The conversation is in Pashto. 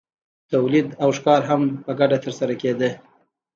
تولید او ښکار هم په ګډه ترسره کیده.